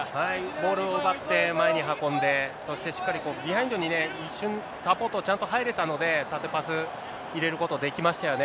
ボールを奪って前に運んで、そして、しっかりビハインドにね、一瞬、サポート、ちゃんと入れたので、縦パス、入れることできましたよね。